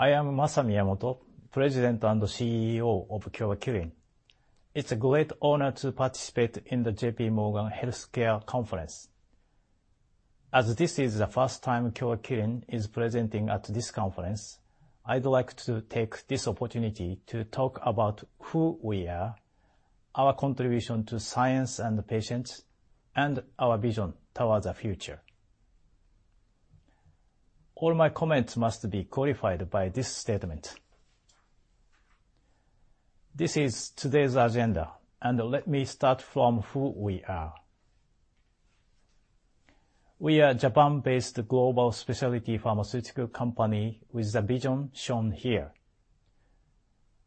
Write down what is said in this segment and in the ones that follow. I am Masashi Miyamoto, President and CEO of Kyowa Kirin. It's a great honor to participate in the JPMorgan Healthcare Conference. As this is the first time Kyowa Kirin is presenting at this conference, I'd like to take this opportunity to talk about who we are, our contribution to science and the patients, and our vision towards the future. All my comments must be qualified by this statement. This is today's agenda, and let me start from who we are. We are Japan-based global specialty pharmaceutical company with the vision shown here.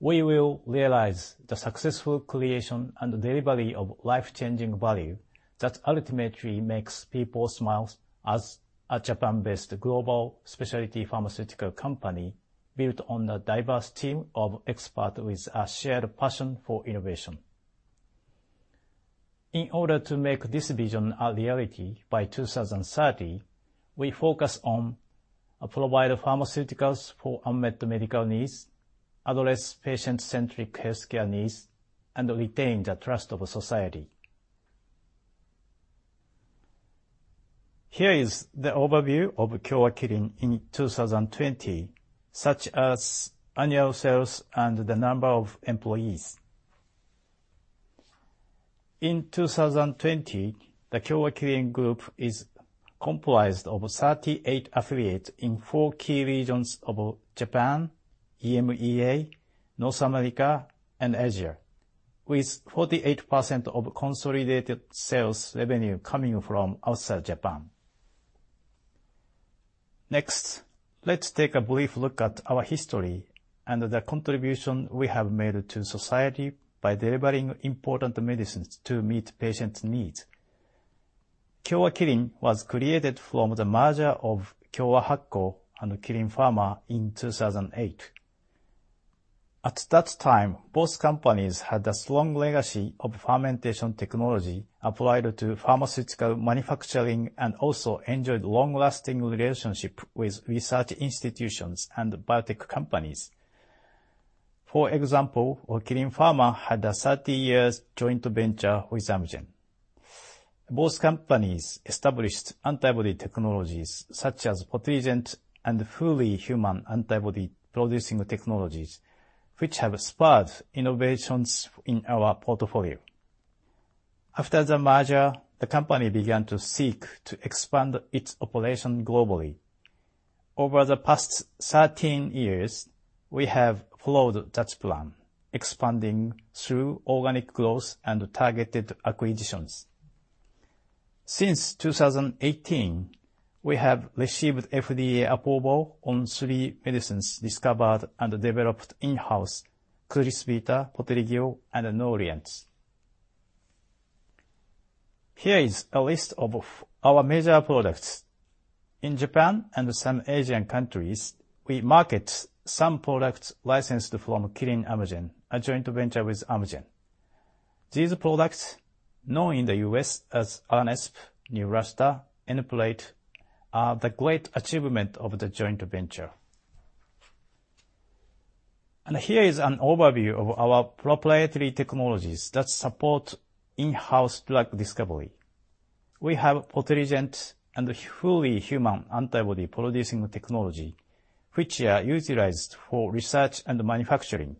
We will realize the successful creation and delivery of life-changing value that ultimately makes people smile as a Japan-based global specialty pharmaceutical company built on a diverse team of experts with a shared passion for innovation. In order to make this vision a reality by 2030, we focus on provide pharmaceuticals for unmet medical needs, address patient-centric healthcare needs, and retain the trust of a society. Here is the overview of Kyowa Kirin in 2020, such as annual sales and the number of employees. In 2020, the Kyowa Kirin group is comprised of 38 affiliates in four key regions of Japan, EMEA, North America and Asia, with 48% of consolidated sales revenue coming from outside Japan. Next, let's take a brief look at our history and the contribution we have made to society by delivering important medicines to meet patients' needs. Kyowa Kirin was created from the merger of Kyowa Hakko and Kirin Pharma in 2008. At that time, both companies had a strong legacy of fermentation technology applied to pharmaceutical manufacturing and also enjoyed long-lasting relationship with research institutions and biotech companies. For example, Kirin Pharma had a 30-year joint venture with Amgen. Both companies established antibody technologies such as POTELLIGENT and fully human antibody producing technologies, which have spurred innovations in our portfolio. After the merger, the company began to seek to expand its operation globally. Over the past 13 years, we have followed that plan, expanding through organic growth and targeted acquisitions. Since 2018, we have received FDA approval on three medicines discovered and developed in-house, Crysvita, Poteligeo, and Nourianz. Here is a list of our major products. In Japan and some Asian countries, we market some products licensed from Kirin-Amgen, a joint venture with Amgen. These products, known in the U.S. as Aranesp, Neulasta, Nplate, are the great achievement of the joint venture. Here is an overview of our proprietary technologies that support in-house drug discovery. We have POTELLIGENT and fully human antibody producing technology, which are utilized for research and manufacturing.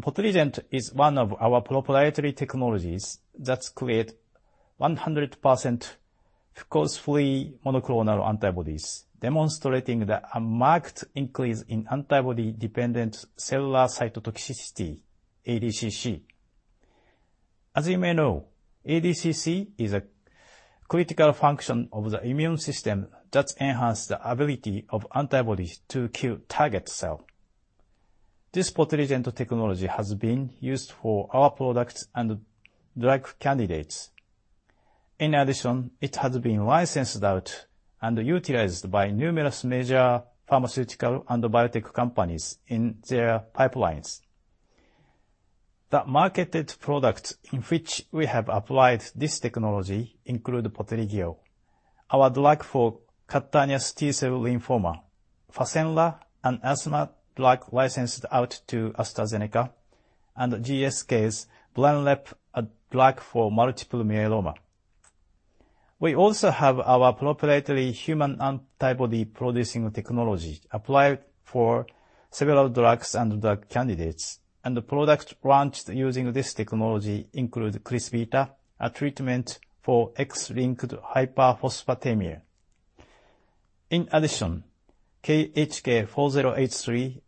POTELLIGENT is one of our proprietary technologies that create 100% fucose-free monoclonal antibodies, demonstrating the marked increase in antibody dependent cellular cytotoxicity, ADCC. As you may know, ADCC is a critical function of the immune system that enhance the ability of antibodies to kill target cell. This POTELLIGENT technology has been used for our products and drug candidates. In addition, it has been licensed out and utilized by numerous major pharmaceutical and biotech companies in their pipelines. The marketed product in which we have applied this technology include Poteligeo, our drug for cutaneous T-cell lymphoma, Fasenra, an asthma drug licensed out to AstraZeneca, and GSK's Blenrep, a drug for multiple myeloma. We also have our proprietary human antibody producing technology applied for several drugs and drug candidates. The product launched using this technology include Crysvita, a treatment for X-linked hypophosphatemia. In addition, KHK4083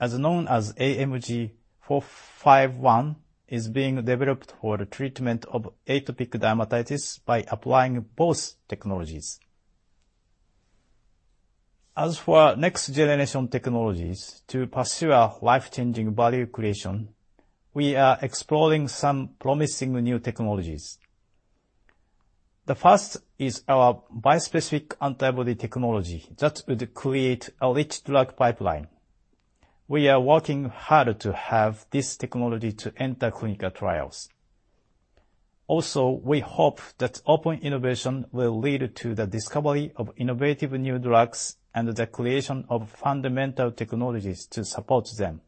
also known as AMG 451 is being developed for the treatment of atopic dermatitis by applying both technologies. As for our next generation technologies to pursue our life-changing value creation, we are exploring some promising new technologies. The first is our bispecific antibody technology that would create a rich drug pipeline. We are working hard to have this technology to enter clinical trials. Also, we hope that open innovation will lead to the discovery of innovative new drugs and the creation of fundamental technologies to support them.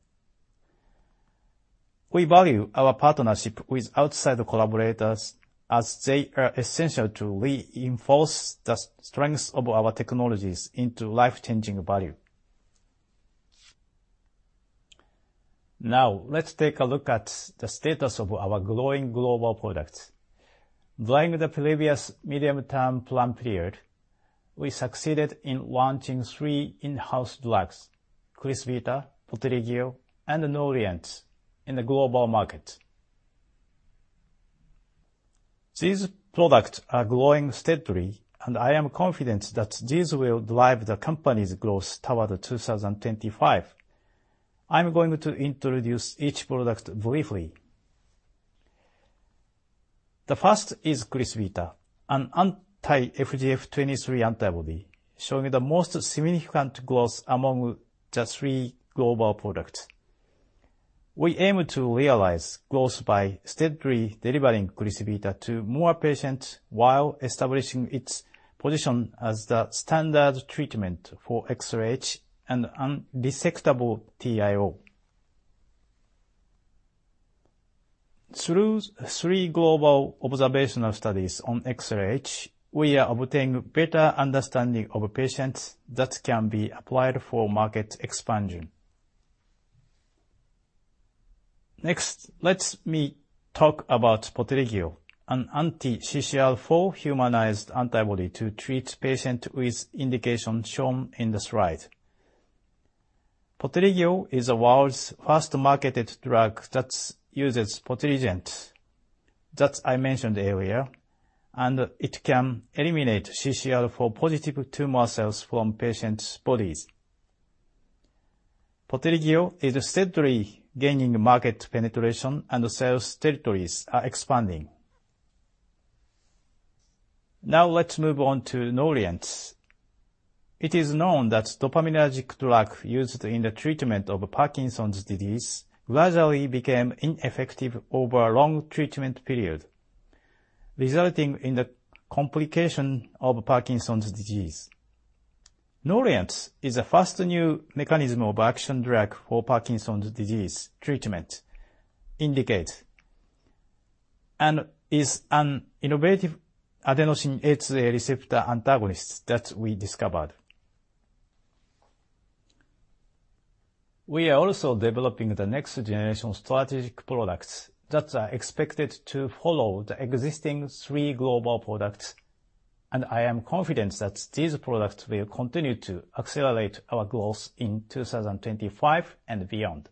We value our partnership with outside collaborators as they are essential to reinforce the strengths of our technologies into life-changing value. Now let's take a look at the status of our growing global products. During the previous medium term plan period, we succeeded in launching three in-house drugs, Crysvita, Poteligeo, and Nourianz in the global market. These products are growing steadily, and I am confident that these will drive the company's growth toward 2025. I'm going to introduce each product briefly. The first is Crysvita, an anti-FGF23 antibody showing the most significant growth among the three global products. We aim to realize growth by steadily delivering Crysvita to more patients while establishing its position as the standard treatment for XLH and unresectable TIO. Through three global observational studies on XLH, we are obtaining better understanding of patients that can be applied for market expansion. Next, let me talk about Poteligeo, an anti-CCR4 humanized antibody to treat patients with indications shown in the slide. Poteligeo is the world's first marketed drug that uses Potelligent that I mentioned earlier, and it can eliminate CCR4-positive tumor cells from patients' bodies. Poteligeo is steadily gaining market penetration and sales territories are expanding. Now let's move on to Nourianz. It is known that dopaminergic drug used in the treatment of Parkinson's disease gradually became ineffective over a long treatment period, resulting in the complication of Parkinson's disease. Nourianz is a first new mechanism of action drug for Parkinson's disease treatment indication and is an innovative adenosine A2A receptor antagonist that we discovered. We are also developing the next generation strategic products that are expected to follow the existing 3 global products, and I am confident that these products will continue to accelerate our growth in 2025 and beyond.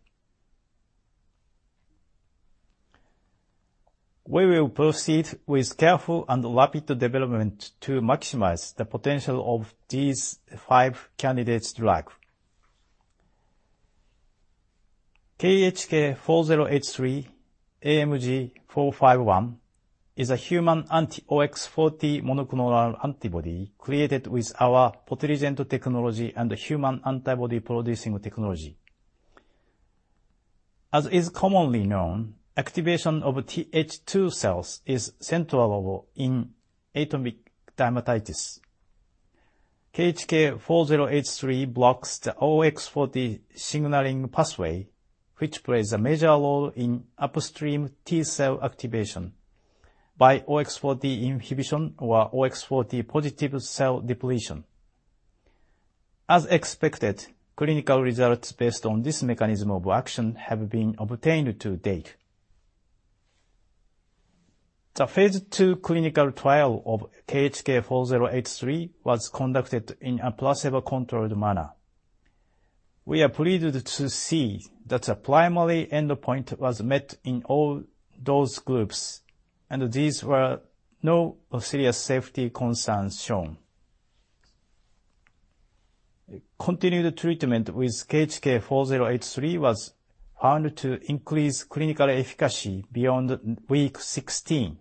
We will proceed with careful and rapid development to maximize the potential of these 5 candidate drugs. KHK4083, AMG 451 is a human anti-OX40 monoclonal antibody created with our POTELLIGENT technology and human antibody producing technology. As is commonly known, activation of TH2 cells is central in atopic dermatitis. KHK4083 blocks the OX40 signaling pathway, which plays a major role in upstream T cell activation by OX40 inhibition or OX40 positive cell depletion. As expected, clinical results based on this mechanism of action have been obtained to date. The phase II clinical trial of KHK4083 was conducted in a placebo-controlled manner. We are pleased to see that the primary endpoint was met in all those groups, and there were no serious safety concerns shown. Continued treatment with KHK4083 was found to increase clinical efficacy beyond week 16.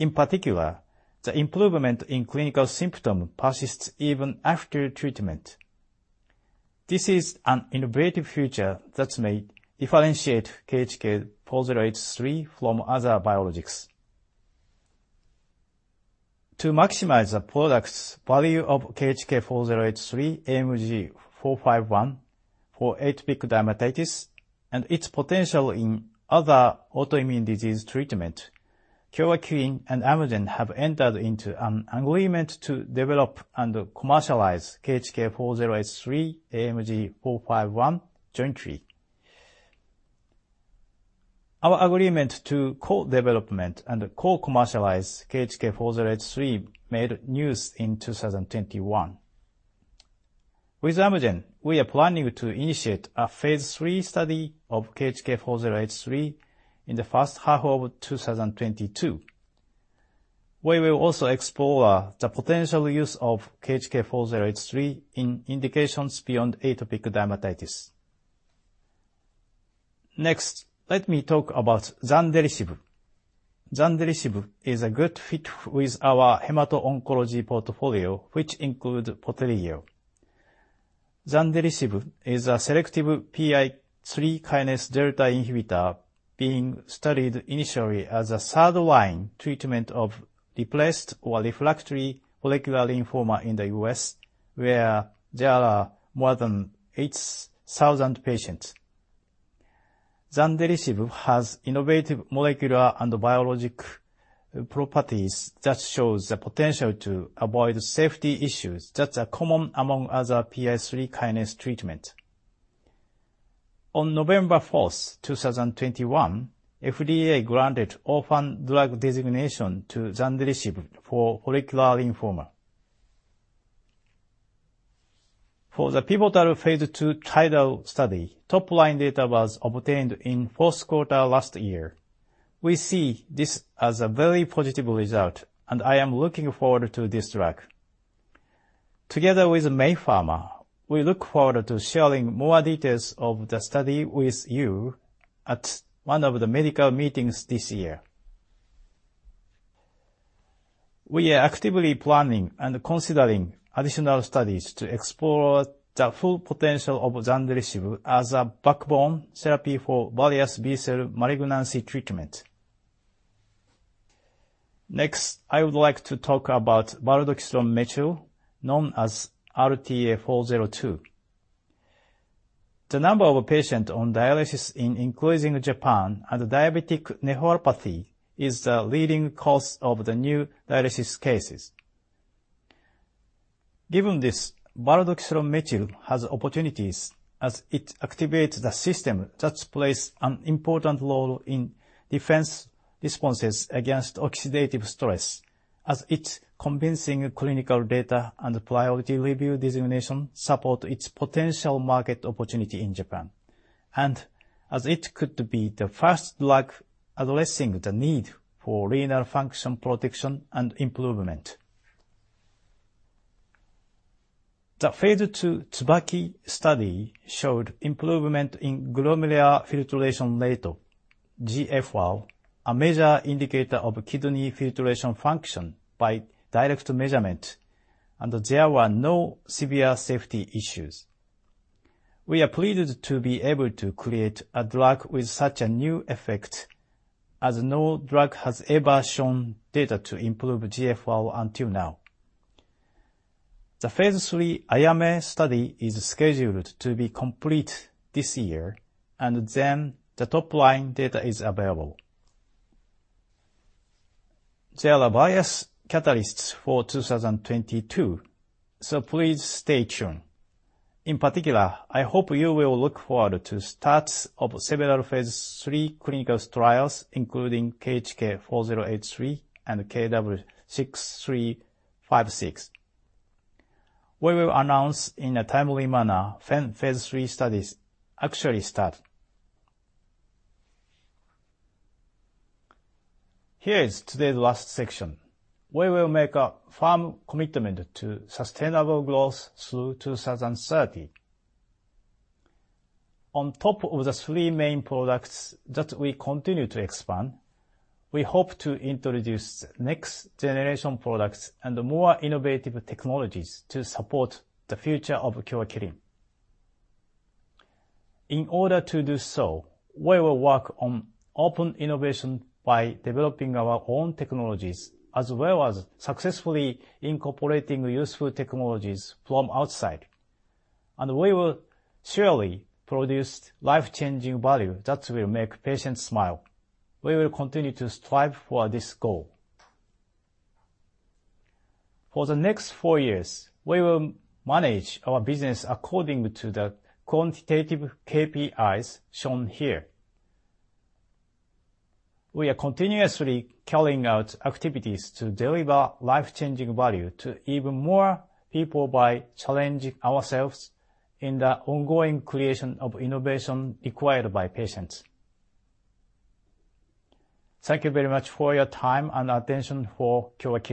In particular, the improvement in clinical symptom persists even after treatment. This is an innovative feature that may differentiate KHK4083 from other biologics. To maximize the product's value of KHK4083 AMG 451 for atopic dermatitis and its potential in other autoimmune disease treatment, Kyowa Kirin and Amgen have entered into an agreement to develop and commercialize KHK4083 AMG 451 jointly. Our agreement to co-development and co-commercialize KHK4083 made news in 2021. With Amgen, we are planning to initiate a phase III study of KHK4083 in the first half of 2022. We will also explore the potential use of KHK4083 in indications beyond atopic dermatitis. Next, let me talk about Zandelisib. Zandelisib is a good fit with our hemato oncology portfolio, which includes Poteligeo. Zandelisib is a selective PI3K delta inhibitor being studied initially as a third-line treatment of relapsed or refractory follicular lymphoma in the U.S. where there are more than 8,000 patients. Zandelisib has innovative molecular and biologic properties that show the potential to avoid safety issues that are common among other PI3K treatments. On November 4, 2021, FDA granted orphan drug designation to Zandelisib for follicular lymphoma. For the pivotal phase II TIDAL study, top-line data was obtained in fourth quarter last year. We see this as a very positive result, and I am looking forward to this drug. Together with MEI Pharma, we look forward to sharing more details of the study with you at one of the medical meetings this year. We are actively planning and considering additional studies to explore the full potential of Zandelisib as a backbone therapy for various B-cell malignancy treatment. Next, I would like to talk about Bardoxolone methyl, known as RTA 402. The number of patients on dialysis is increasing in Japan and diabetic nephropathy is the leading cause of the new dialysis cases. Given this bardoxolone methyl has opportunities as it activates the system that plays an important role in defense responses against oxidative stress as its convincing clinical data and priority review designation support its potential market opportunity in Japan and as it could be the first drug addressing the need for renal function protection and improvement. The phase II TSUBAKI study showed improvement in glomerular filtration rate, GFR, a major indicator of kidney filtration function by direct measurement, and there were no severe safety issues. We are pleased to be able to create a drug with such a new effect as no drug has ever shown data to improve GFR until now. The phase III AYAME study is scheduled to be complete this year, and then the top-line data is available. There are various catalysts for 2022, so please stay tuned. In particular, I hope you will look forward to starts of several phase III clinical trials, including KHK4083 and KW-6356. We will announce in a timely manner when phase III studies actually start. Here is today's last section. We will make a firm commitment to sustainable growth through 2030. On top of the three main products that we continue to expand, we hope to introduce next generation products and more innovative technologies to support the future of Kyowa Kirin. In order to do so, we will work on open innovation by developing our own technologies as well as successfully incorporating useful technologies from outside. We will surely produce life-changing value that will make patients smile. We will continue to strive for this goal. For the next four years, we will manage our business according to the quantitative KPIs shown here. We are continuously carrying out activities to deliver life-changing value to even more people by challenging ourselves in the ongoing creation of innovation required by patients. Thank you very much for your time and attention for Kyowa Kirin.